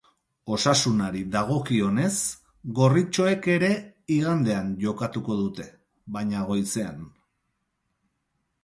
Osasunari dagokionez, gorritxoek ere igandean jokatuko dute, baina goizean.